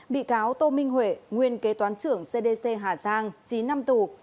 bị cáo tô minh huệ nguyên kế toán trưởng cdc hà giang chín năm tù